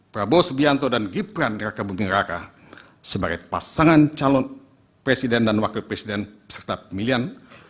prabowo subianto dan gibran raka buming raka sebagai pasangan calon presiden dan wakil presiden serta pemilihan